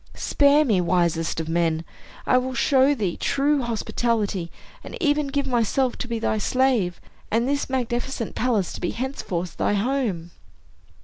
Spare me, wisest of men. I will show thee true hospitality, and even give myself to be thy slave, and this magnificent palace to be henceforth thy home."